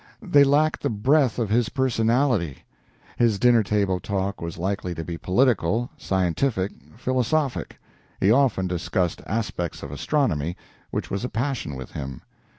They lacked the breath of his personality. His dinner table talk was likely to be political, scientific, philosophic. He often discussed aspects of astronomy, which was a passion with him.